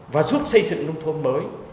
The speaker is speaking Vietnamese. và giúp xây dựng nông thôn mới